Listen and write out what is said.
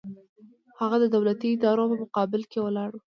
هغه د دولتي ادارو په مقابل کې ولاړ و.